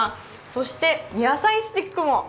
そして野菜スティックも。